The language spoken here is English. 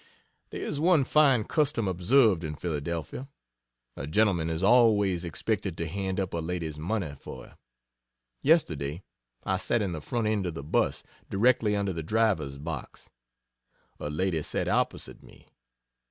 There is one fine custom observed in Phila. A gentleman is always expected to hand up a lady's money for her. Yesterday, I sat in the front end of the 'bus, directly under the driver's box a lady sat opposite me.